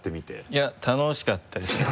いや楽しかったですね。